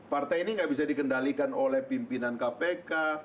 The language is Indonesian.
partai ini nggak bisa dikendalikan oleh pimpinan kpk